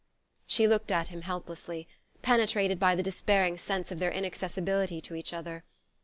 She looked at him helplessly, penetrated by the despairing sense of their inaccessibility to each other.